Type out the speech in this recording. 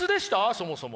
そもそも。